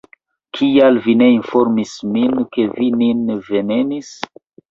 Kial vi ne informis min, ke vi nin venenis?